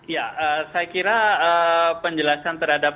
ya saya kira penjelasan terhadap